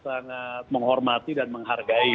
sangat menghormati dan menghargai